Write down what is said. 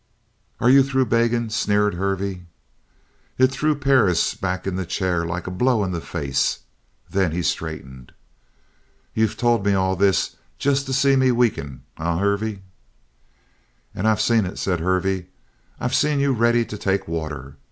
"Are you through begging?" sneered Hervey. It threw Perris back in the chair like a blow in the face. Then he straightened. "You've told me all this just to see me weaken, eh, Hervey?" "And I've seen it," said Hervey. "I've seen you ready to take water.